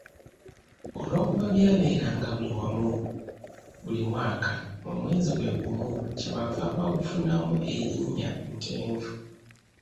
Olwokuba byabeeranga buli wamu buli mwaka, mu mwezi gwe gumu, kyebaava bagunfunamu erinnya Ntenvu.